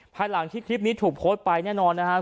ภายหลังที่คลิปนี้ถูกโพสต์ไปแน่นอนนะครับ